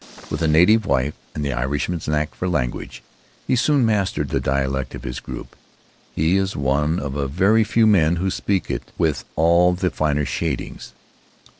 With a native wife and the Irishman's knack for languages, he soon mastered the dialect of his group; he is one of a very few men who speak it with all the finer shadings.